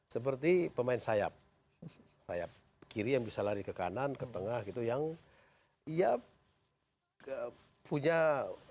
seperti pemain sayap sayap kiri yang bisa lari ke kanan ke tengah gitu yang ya punya